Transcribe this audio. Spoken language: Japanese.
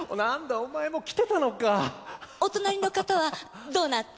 お隣の方はどなた？